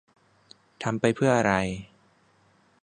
ทำไปเพื่ออะไร